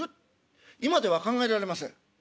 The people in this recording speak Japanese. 今では考えられませんええ。